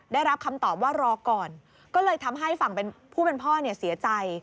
ได้รับคำตอบว่ารอก่อนก็เลยทำให้ฝั่งผู้เป็นพ่อเนี่ยเสียใจ